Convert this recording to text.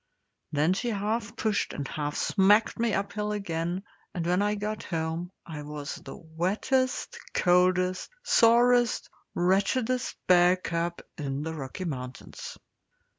Then she half pushed and half smacked me uphill again, and when I got home I was the wettest, coldest, sorest, wretchedest bear cub in the Rocky Mountains.